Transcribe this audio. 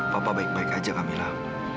papa baik baik aja kamilah